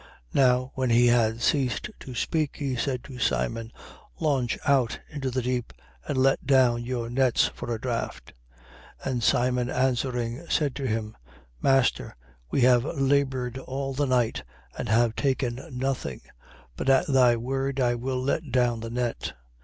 5:4. Now when he had ceased to speak, he said to Simon: Launch out into the deep and let down your nets for a draught. 5:5. And Simon answering said to him: Master, we have laboured all the night and have taken nothing: but at thy word I will let down the net.